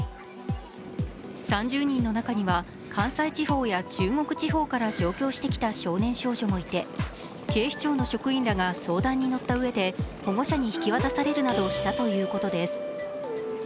３０人の中には、関西地方や中国地方から上京してきた少年少女もいて、警視庁の職員らが相談に乗ったうえで保護者に引き渡されるなどしたということです。